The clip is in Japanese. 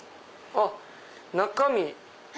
あっ中身。